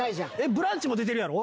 『ブランチ』も出てるやろ？